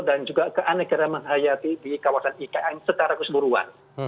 dan juga keanegaraan menghayati di kawasan ikn secara keseluruhan